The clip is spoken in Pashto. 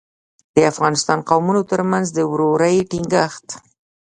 د افغانستان قومونو ترمنځ د ورورۍ ټینګښت.